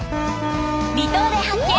「離島で発見！